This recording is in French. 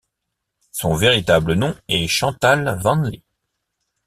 Son véritable nom est Chantal Vanlee.